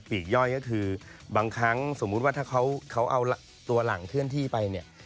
เพราะว่าคือไม่เหมือนฝุ่นบ่นที่แบบว่า